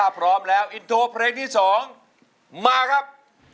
พร้อมแล้วอินโทรเพลงที่๒มาครับ